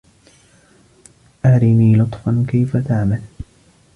أرني لطفا كيف تعمل.